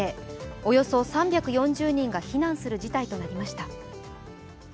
およそ３４０人が避難する事態となりました。